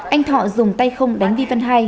anh thọ dùng tay không đánh vi văn hai